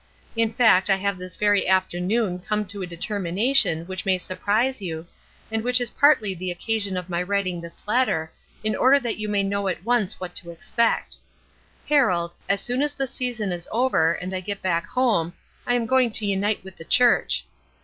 In fact I have this very afternoon come to a determination which may surprise you, and which is partly the occasion of my writing this letter, in order that you may know at once what to expect. Harold, as soon as the season is over, and I get back home, I am going to unite with the church?